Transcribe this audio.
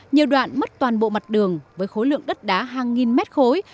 nhiều đoạn mất toàn bộ mặt đường với khối lượng đất đá hàng nghìn mét khối